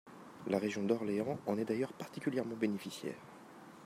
La région d’Orléans en est d’ailleurs particulièrement bénéficiaire.